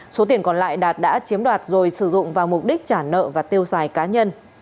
số tiền còn lại đạt đã chiếm đoạt rồi sử dụng vào mục đích trả nợ và tiêu xài cá nhân